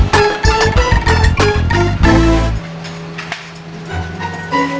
saya gak godein yuyun kang